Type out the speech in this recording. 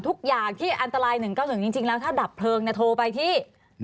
ทุกอย่างที่อันตราย๑๙๑จริงแล้วถ้าดับเพลิงโทรไปที่